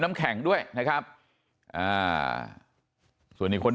ไม่รู้ตอนไหนอะไรยังไงนะ